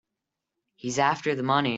He's after the money.